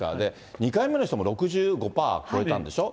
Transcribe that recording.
２回目の人も６５％を超えたんでしょ。